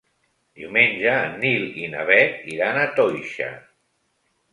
Diumenge en Nil i na Bet iran a Toixa.